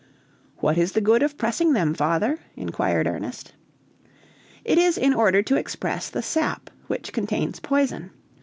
"What is the good of pressing them, father?" inquired Ernest. "It is in order to express the sap, which contains poison.